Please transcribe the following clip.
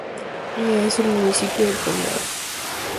Y es uno de los municipios del condado de Lääne.